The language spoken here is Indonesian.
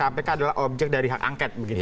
kpk adalah objek dari hak angket begitu